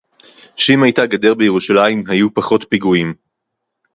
שאם היתה גדר בירושלים היו פחות פיגועים